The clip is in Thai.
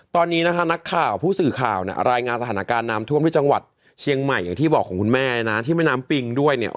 ตอนนี้นะคะนักข่าวผู้สื่อข่าวเนี่ยรายงานสถานการณ์น้ำท่วมที่จังหวัดเชียงใหม่อย่างที่บอกของคุณแม่นะที่แม่น้ำปิงด้วยเนี่ย